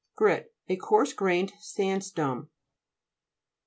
GRIT A coarse grained sandstone.